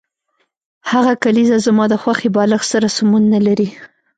هغه کلیزه زما د خوښې بالښت سره سمون نلري